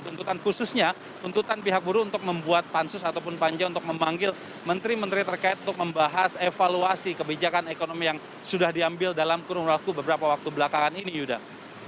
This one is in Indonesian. tuntutan khususnya tuntutan pihak buruh untuk membuat pansus ataupun panja untuk memanggil menteri menteri terkait untuk membahas evaluasi kebijakan ekonomi yang sudah diambil dalam kurun waktu beberapa waktu belakangan ini yuda